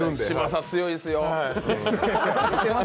嶋佐、強いですよ。